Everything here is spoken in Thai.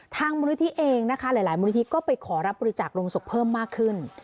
ทางบุรุธิเองหลายบุรุธิก็ไปขอรับบริจาคโรงศพเพิ่มมากขึ้น